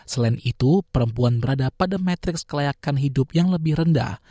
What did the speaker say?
selain itu perempuan berada pada matriks kelayakan hidup yang lebih rendah